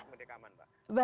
mudik aman mbak